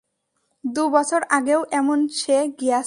দু বছর আগেও এমন সে গিয়াছে।